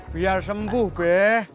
biar sembuh be